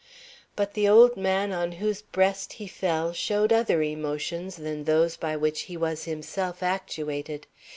But the old man on whose breast he fell showed other emotions than those by which he was himself actuated.